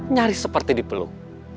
nyaris seperti dipeluk